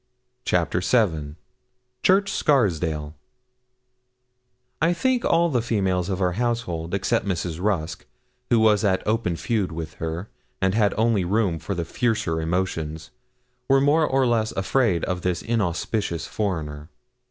CHAPTER VII CHURCH SCARSDALE I think all the females of our household, except Mrs. Rusk, who was at open feud with her and had only room for the fiercer emotions, were more or less afraid of this inauspicious foreigner.